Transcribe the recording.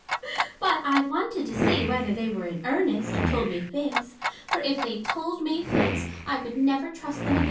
but I wanted to see whether they were in earnest, or told me fibs ; for, if they told me fibs, I would never trust them again.